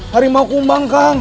harimau kumbang kang